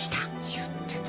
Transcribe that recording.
言ってた。